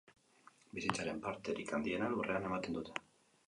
Bizitzaren parterik handiena lurrean ematen dute.